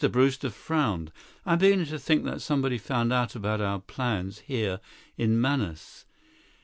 Brewster frowned. "I'm beginning to think that somebody found out about our plans here in Manaus.